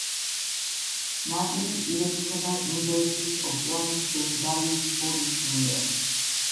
ნაპირი ირეცხება ინდოეთის ოკეანის ბენგალიის ყურის მიერ.